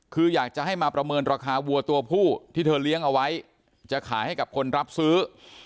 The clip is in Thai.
คืออยากจะให้มาประเมินราคาวัวตัวผู้ที่เธอเลี้ยงเอาไว้จะขายให้กับคนรับซื้อ